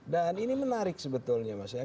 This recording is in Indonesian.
dan ini menarik sebetulnya mas ya